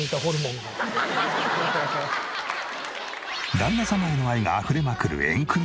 旦那様への愛があふれまくるエンクミママ。